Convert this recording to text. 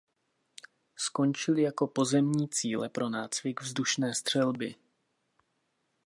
Skončily jako pozemní cíle pro nácvik vzdušné střelby.